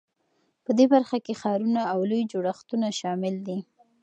په دې برخه کې ښارونه او لوی جوړښتونه شامل دي.